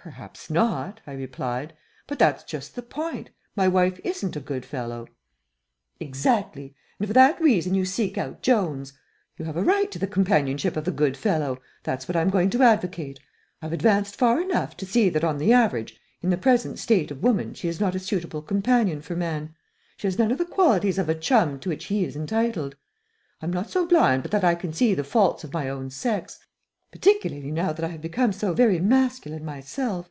"Perhaps not," I replied, "but that's just the point. My wife isn't a good fellow." "Exactly, and for that reason you seek out Jones. You have a right to the companionship of the good fellow that's what I'm going to advocate. I've advanced far enough to see that on the average in the present state of woman she is not a suitable companion for man she has none of the qualities of a chum to which he is entitled. I'm not so blind but that I can see the faults of my own sex, particularly now that I have become so very masculine myself.